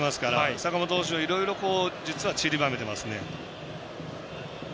坂本捕手がいろいろ実は、ちりばめてますね。